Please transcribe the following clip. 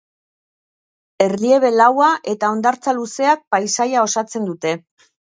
Erliebe laua eta hondartza luzeak paisaia osatzen dute.